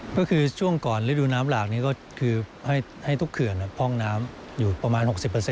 ก็คือช่วงก่อนฤดูน้ำหลากนี้ก็คือให้ทุกเขื่อนพร่องน้ำอยู่ประมาณ๖๐